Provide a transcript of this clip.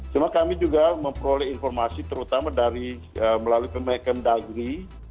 cuma kami juga memproyek informasi terutama dari melalui pemekan dagi